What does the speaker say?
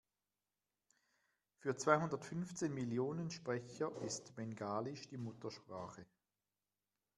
Für zweihundertfünfzehn Millionen Sprecher ist Bengalisch die Muttersprache.